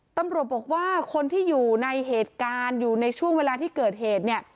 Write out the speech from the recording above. ตำรวจบอกว่าคนที่อยู่ในเหตุการณ์อยู่ในช่วงเวลาที่เกิดเหตุเนี่ย